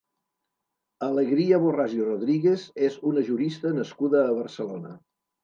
Alegría Borrás i Rodríguez és una jurista nascuda a Barcelona.